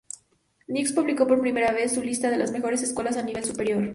News publicó por primera vez su lista de las mejores escuelas a nivel superior.